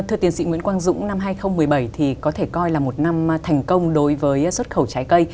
thưa tiến sĩ nguyễn quang dũng năm hai nghìn một mươi bảy thì có thể coi là một năm thành công đối với xuất khẩu trái cây